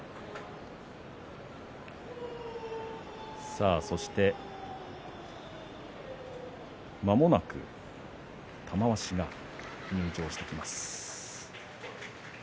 さあ、そしてまもなく玉鷲が入場してきます。